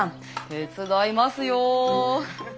手伝いますよ。